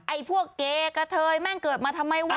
ไอ้พวกเกกะเทยแม่งเกิดมาทำไมวะ